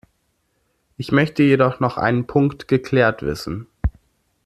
Ich möchte jedoch noch einen Punkt geklärt wissen.